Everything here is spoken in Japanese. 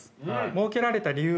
設けられた理由？